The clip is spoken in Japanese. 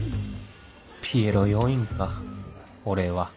ピエロ要員か俺は